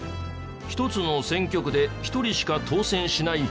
１つの選挙区で１人しか当選しない